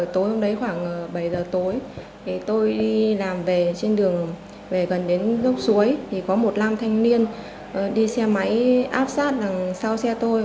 tối hôm đấy khoảng bảy giờ tối tôi đi làm về trên đường về gần đến gốc suối thì có một nam thanh niên đi xe máy áp sát đằng sau xe tôi